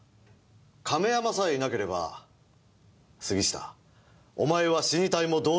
亀山さえいなければ杉下お前は死に体も同然だという事が。